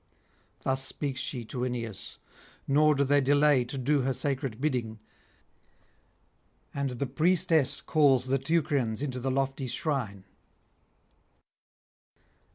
Thus speaks she to Aeneas; nor do they delay to do her sacred bidding; and the priestess calls the Teucrians into the lofty shrine.